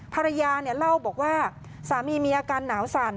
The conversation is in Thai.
ภรรยาเล่าบอกว่าสามีมีอาการหนาวสั่น